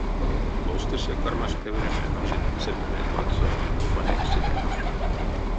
Лостерьсэ кармасть певереме пиже сельме ведь ладсо лопанек сэрятне.